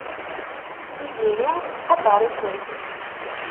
Tiziri tettqadar-ikent.